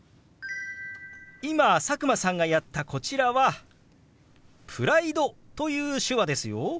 今佐久間さんがやったこちらは「プライド」という手話ですよ。